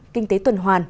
kinh tế tuần hoàn